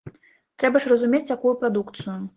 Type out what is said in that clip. Трэба ж разумець, якую прадукцыю.